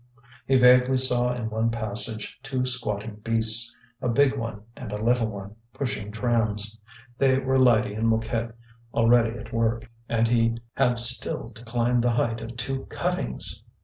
He vaguely saw in one passage two squatting beasts, a big one and a little one, pushing trams: they were Lydie and Mouquette already at work. And he had still to climb the height of two cuttings!